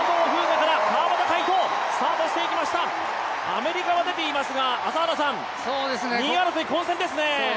アメリカは出ていますが、２位争いは混戦ですね。